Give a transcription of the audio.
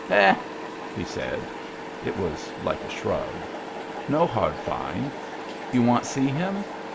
" H6 1 " he said (it was like a shrug). " No hard find. You want see him?